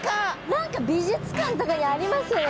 何か美術館とかにありますよね